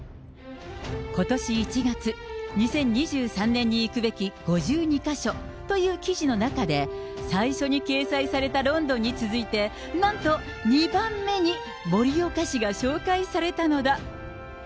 ことし１月、２０２３年に行くべき５２か所という記事の中で、最初に掲載されたロンドンに続いて、なんと、２番目に盛岡市が紹介されたのだ。